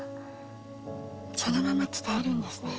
そのまま伝えるんですね。